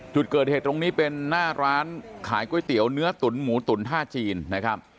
จุดเกิดเหตุตรงนี้เป็นหน้าร้านขายก๋วยเตี๋ยวเนื้อตุ๋นหมูตุ๋นท่าจีนนะครับ